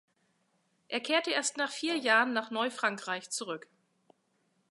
Er kehrte erst nach vier Jahren nach Neu-Frankreich zurück.